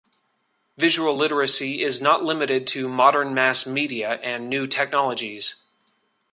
Visual literacy is not limited to modern mass media and new technologies.